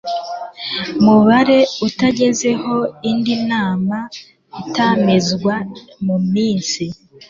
mubare utagezeho indi nama itumizwa mu minsi